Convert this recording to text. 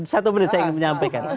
satu menit saya ingin menyampaikan